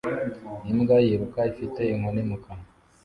Imbwa yiruka ifite inkoni mu kanwa